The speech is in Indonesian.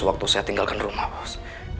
waktu saya tinggalkan rumah bos